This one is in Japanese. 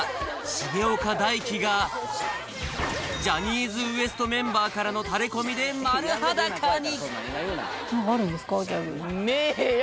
重岡大毅がジャニーズＷＥＳＴメンバーからのタレコミで丸裸に！